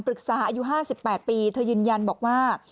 ปรึกษาอายุ๕๘ปีเธอยืนยันบอกว่า